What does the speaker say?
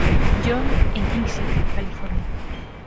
John, en King City, California.